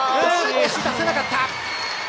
押し出せなかった！